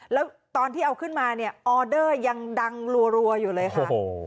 แล้วตอนที่เอาขึ้นมาเนี่ยออเดอร์ยังดังรัวอยู่เลยค่ะ